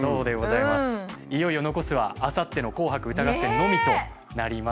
いよいよ残すはあさっての「紅白歌合戦」のみとなります。